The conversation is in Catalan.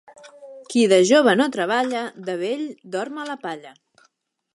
Qui de jove no treballa, de vell dorm a la palla.